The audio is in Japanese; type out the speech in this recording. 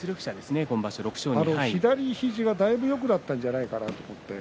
左肘がだいぶよくなったんじゃないかなと思います。